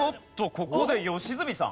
ここで良純さん。